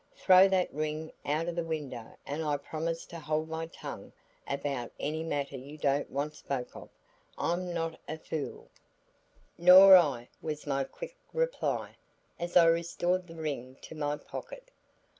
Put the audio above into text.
"Throw that ring out of the window and I promise to hold my tongue about any matter you don't want spoke of. I'm not a fool " "Nor I," was my quick reply, as I restored the ring to my pocket.